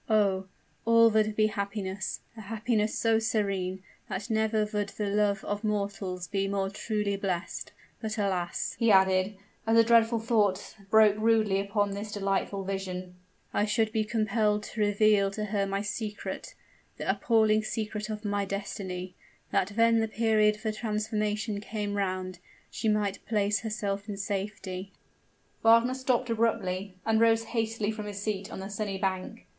Oh! all would be happiness a happiness so serene, that never would the love of mortals he more truly blessed! But, alas!" he added, as a dreadful thought broke rudely upon this delightful vision, "I should be compelled to reveal to her my secret the appalling secret of my destiny: that when the period for transformation came round, she might place herself in safety " Wagner stopped abruptly, and rose hastily from his seat on the sunny bank.